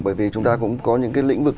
bởi vì chúng ta cũng có những cái lĩnh vực